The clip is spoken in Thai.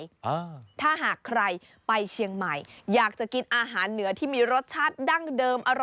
อ่าถ้าหากใครไปเชียงใหม่อยากจะกินอาหารเหนือที่มีรสชาติดั้งเดิมอร่อย